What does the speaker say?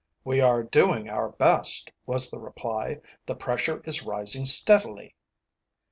"We are doing our best," was the reply. "The pressure is rising steadily."